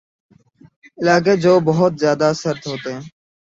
علاقے جو بہت زیادہ سرد ہوتے ہیں